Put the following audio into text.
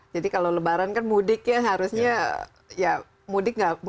jadi kalau lebaran kan mudik ya seharusnya ya mudik nggak berhasil